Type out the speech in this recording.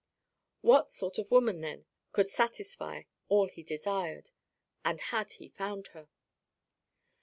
What sort of woman, then, could satisfy all he desired? And had he found her?